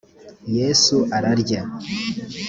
yesu ararya